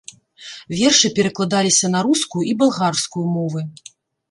Вершы перакладаліся на рускую і балгарскую мовы.